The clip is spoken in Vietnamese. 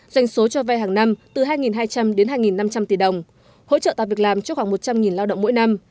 doanh số cho vay hàng năm từ hai hai trăm linh đến hai năm trăm linh tỷ đồng hỗ trợ tạo việc làm cho khoảng một trăm linh lao động mỗi năm